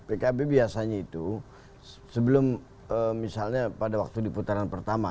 pkb biasanya itu sebelum misalnya pada waktu di putaran pertama